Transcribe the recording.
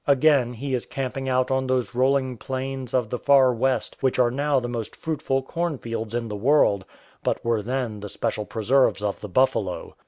Again he is camping out on those rolling plains of the Far West which are now the most fruitful corn fields in the world, but were then the special preserves of the buffalo.